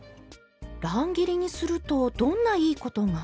乱切りにするとどんないいことが？